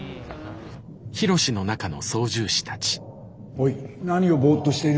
おい何をボッとしている。